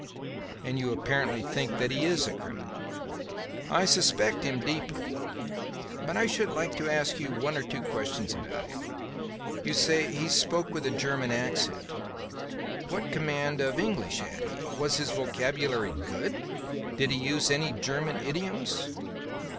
"And you apparently think that he is a criminal?" "I suspect him deeply. But I should like to ask you one or two questions about him. You say he spoke with a German accent. What command of English had he? Was his vocabulary good? Did he use any German idioms?"